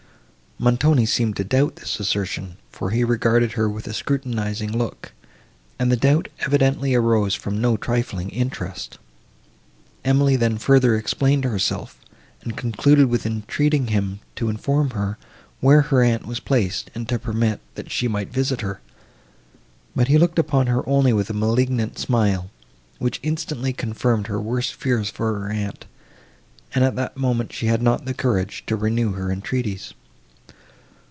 Montoni seemed to doubt this assertion, for he regarded her with a scrutinizing look; and the doubt evidently arose from no trifling interest. Emily then further explained herself, and concluded with entreating him to inform her, where her aunt was placed, and to permit, that she might visit her; but he looked upon her only with a malignant smile, which instantaneously confirmed her worst fears for her aunt, and, at that moment, she had not courage to renew her entreaties.